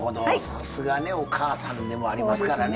さすがねお母さんでもありますからね。